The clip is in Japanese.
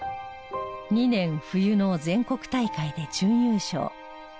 ２年冬の全国大会で準優勝。